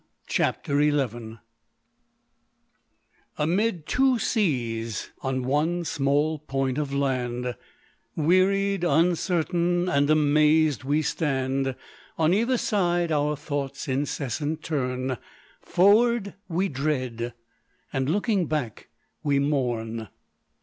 CHAPTER XL Amid two seas, on one small point of land, Wearied, uncertain, and amazed, we stand ; On either side our thoughts incessant turn, Forward we dread, and looking back we mourn.